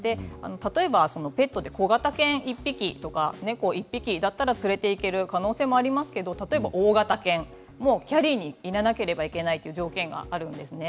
例えばペットで小型犬１匹とか猫１匹だったら連れて行ける可能性もありますけど例えば大型犬キャリーに、入れなければいけないという条件があるんですね。